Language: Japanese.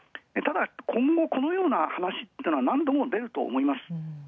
ただ今後、このような話は何度もでると思います。